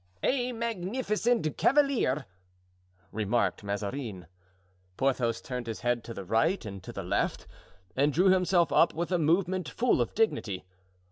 "A magnificent cavalier," remarked Mazarin. Porthos turned his head to the right and to the left, and drew himself up with a movement full of dignity.